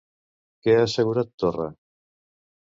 Què ha assegurat Torra?